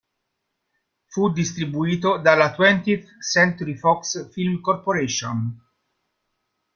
Fu distribuito dalla Twentieth Century Fox Film Corporation.